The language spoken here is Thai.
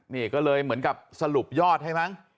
นี่ก็เลยเหมือนกับสรุปยอดให้มั้ง